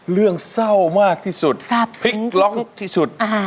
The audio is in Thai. เรื่องเศร้ามากที่สุดพลิกล็อกที่สุด